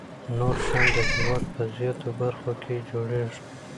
نور شیان د هېواد په زیاتو برخو کې جوړیږي.